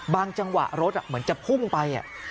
จังหวะรถเหมือนจะพุ่งไป